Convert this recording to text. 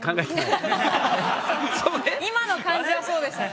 今の感じはそうでした。